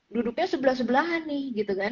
duduknya sebelah sebelahan nih gitu kan